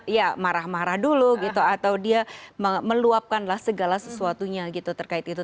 ya marah marah dulu gitu atau dia meluapkanlah segala sesuatunya gitu terkait itu